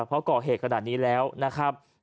เพราะก่อเหตุขนาดนี้แล้วนะครับ